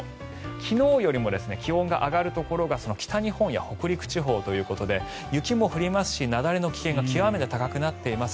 昨日よりも気温が上がるところが北日本や北陸地方ということで雪も降りますし、雪崩の危険が極めて高くなっています。